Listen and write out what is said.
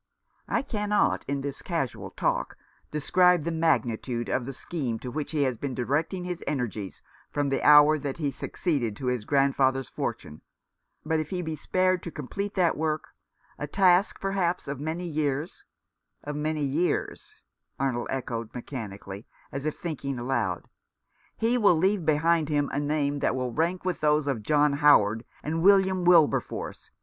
I cannot, in this casual talk, describe the magnitude of the scheme to which he has been directing his energies from the hour that he succeeded to his grandfather's fortune ; but, if he be spared to complete that work — a task, perhaps, of many years "" Of many years," Arnold echoed mechanically, as if thinking aloud. " He will leave behind him a name that should rank with those of John Howard and William Wiiberforce.